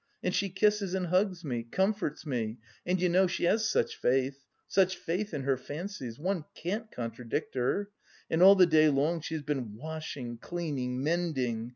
And she kisses and hugs me, comforts me, and you know she has such faith, such faith in her fancies! One can't contradict her. And all the day long she has been washing, cleaning, mending.